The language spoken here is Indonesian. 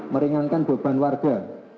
meringankan beban warga